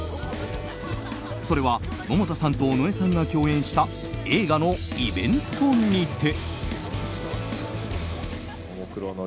それは百田さんと尾上さんが共演した映画のイベントにて。